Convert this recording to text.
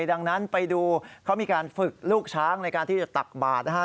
ดังนั้นไปดูเขามีการฝึกลูกช้างในการที่จะตักบาทนะฮะ